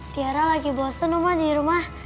tiara lagi bosen rumah di rumah